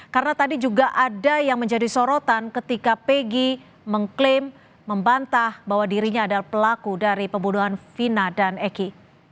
karena tadi juga ada yang menjadi sorotan ketika peggy mengklaim membantah bahwa dirinya adalah pelaku dari pembunuhan vina dan eki